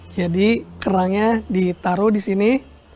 jadi kerangnya ditaruh di sini